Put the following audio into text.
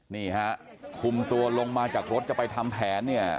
นี่ฮะคุมตัวลงมาจากรถจะไปทำแผนเนี่ย